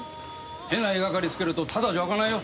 変な言いがかりつけるとただじゃおかないよ！